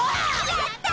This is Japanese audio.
やった！